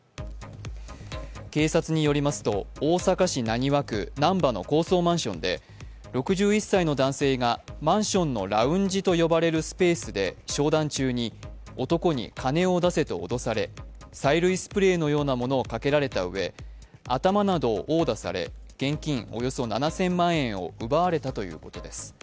警察によりますと、大阪市浪速区難波の高層マンションで６１歳の男性がマンションのラウンジと呼ばれるスペースで商談中に男に金を出せと脅され催涙スプレーのようなものをかけられたうえ頭などを殴打され、現金およそ７０００万円を奪われたということです。